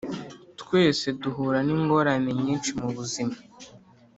Twese duhura n ingorane nyinshi mu buzima